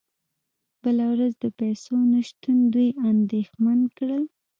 بله ورځ د پیسو نشتون دوی اندیښمن کړل